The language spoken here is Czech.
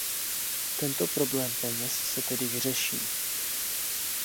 Tento problém peněz se tedy vyřeší.